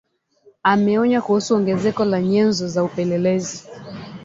ameonya kuhusu ongezeko la nyenzo za upelelezi